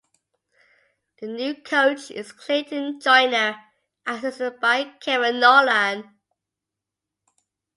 The new coach is Clayton Joiner, assisted by Kevin Nolan.